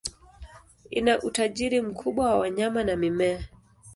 Ina utajiri mkubwa wa wanyama na mimea.